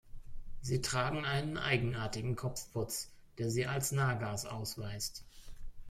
Sie tragen einen eigenartigen Kopfputz, der sie als Nagas ausweist.